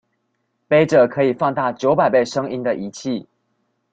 揹著可以放大九百倍聲音的儀器